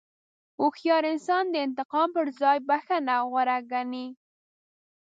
هوښیار انسان د انتقام پر ځای بښنه غوره ګڼي.